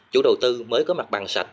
chủ đầu tư mới có mặt bằng sạch